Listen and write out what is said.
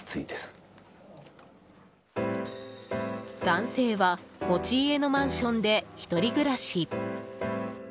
男性は持ち家のマンションで１人暮らし。